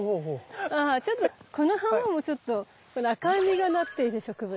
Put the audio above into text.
あちょっとこの花もちょっとこの赤い実がなっている植物。